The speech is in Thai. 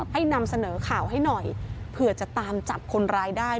ให้นำเสนอข่าวให้หน่อยเผื่อจะตามจับคนร้ายได้